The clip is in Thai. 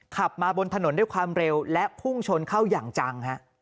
ขับมาบนถนนด้วยความเร็วและพุ่งชนเข้าอย่างจัง